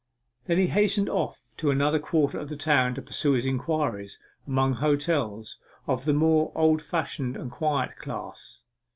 Then he hastened off to another quarter of the town to pursue his inquiries among hotels of the more old fashioned and quiet class.